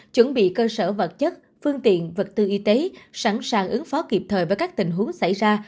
chuẩn bị cơ sở vật chất phương tiện vật tư y tế sẵn sàng ứng phó kịp thời với các tình huống xảy ra